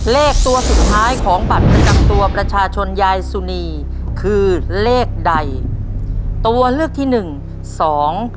เลขตัวสุดท้ายของบัตรประจำตัวประชาชนยายสุนีคือเลขใดตัวเลือกที่หนึ่งสอง